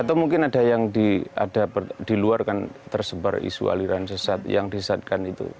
atau mungkin ada yang diluarkan tersebar isu aliran sesat yang disatkan itu